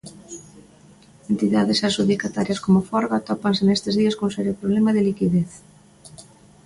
Entidades adxudicatarias como Forga atópanse nestes días cun serio problema de liquidez.